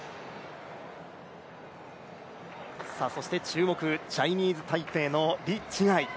そして注目チャイニーズ・タイペイ李智凱。